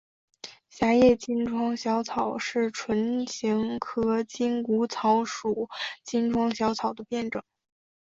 狭叶金疮小草是唇形科筋骨草属金疮小草的变种。